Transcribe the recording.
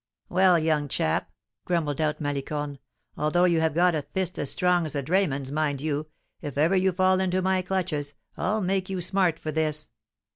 "Well, young chap," grumbled out Malicorne, "although you have got a fist as strong as a drayman's, mind you, if ever you fall into my clutches, I'll make you smart for this!"